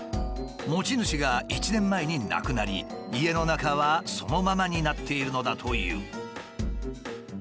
持ち主が１年前に亡くなり家の中はそのままになっているのだという。